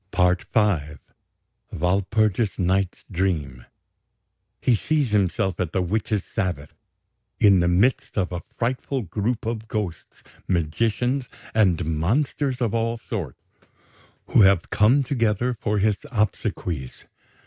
"PART V "WALPURGIS NIGHT'S DREAM "He sees himself at the witches' Sabbath, in the midst of a frightful group of ghosts, magicians, and monsters of all sorts, who have come together for his obsequies.